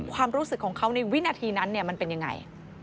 ความรู้สึกของเขาในวินาทีนั้นมันเป็นยังไง